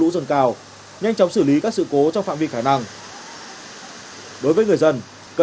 đưa luôn cảnh giác